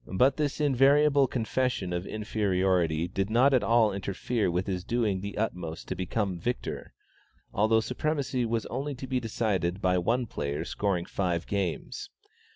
But this invariable confession of inferiority did not at all interfere with his doing the utmost to become victor, although supremacy was only to be decided by one player scoring five games.